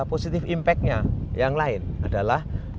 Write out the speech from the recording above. positif impactnya yang lain adalah